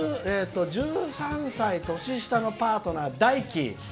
「１３歳年下のパートナー、だいき。